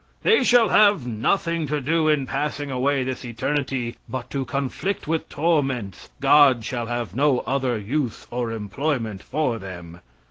"They shall have nothing to do in passing away this eternity but to conflict with torments. God shall have no other use or employment for them."